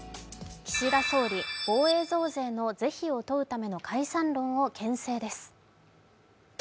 岸田総理、防衛増税の是非を問うための解散論をけん制です。